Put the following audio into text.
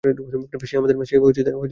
সে আমাদের মা।